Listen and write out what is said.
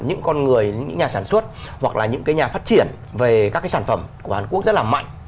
những con người những nhà sản xuất hoặc là những cái nhà phát triển về các cái sản phẩm của hàn quốc rất là mạnh